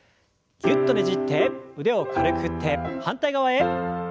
ぎゅっとねじって腕を軽く振って反対側へ。